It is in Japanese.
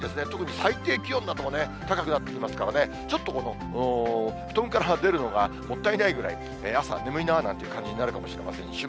特に最低気温などもね、高くなってきますからね、ちょっとこの布団から出るのがもったいないぐらい、朝は眠いななんていう感じになるかもしれません。